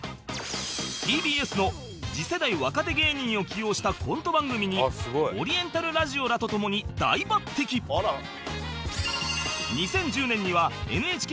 ＴＢＳ の次世代若手芸人を起用したコント番組にオリエンタルラジオらとともに大抜擢！を受賞